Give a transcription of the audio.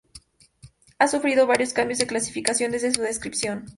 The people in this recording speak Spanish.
Ha sufrido varios cambios de clasificación desde su descripción.